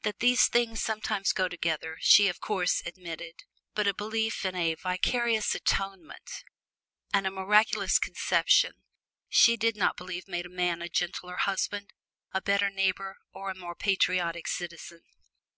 That these things sometimes go together, she of course admitted, but a belief in a "vicarious atonement" and a "miraculous conception" she did not believe made a man a gentler husband, a better neighbor or a more patriotic citizen.